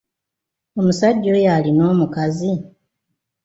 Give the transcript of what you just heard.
Omusajja oyo alina omukazi?